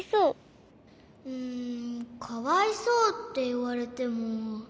うんかわいそうっていわれても。